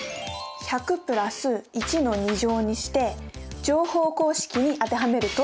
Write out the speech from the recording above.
１００＋１の２乗にして乗法公式に当てはめると？